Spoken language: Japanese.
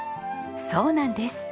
そうなんです。